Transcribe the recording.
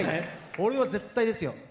これは絶対ですよ。